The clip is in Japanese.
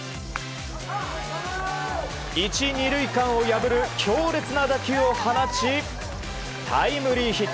１、２塁間を破る強烈な打球を放ちタイムリーヒット。